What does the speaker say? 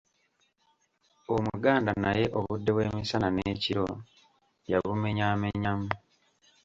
Omuganda naye obudde bw'emisana n’ekiro yabumenyaamenyamu